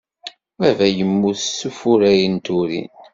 Baba yemmut s ufurray n turin.